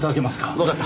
わかった。